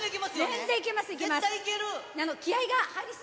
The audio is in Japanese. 全然いけます、いけます。